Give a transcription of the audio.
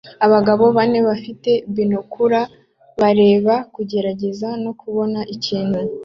Abagabo bane bafite binokula bareba kugerageza no kubona ikintu